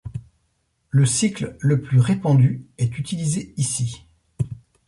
Le cycle le plus répandu est utilisé ici.